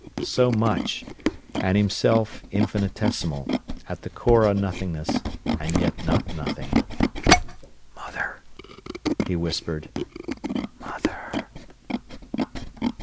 So much, and himself, infinitesimal, at the core a nothingness, and yet not nothing. "Mother!" he whimpered—"mother!"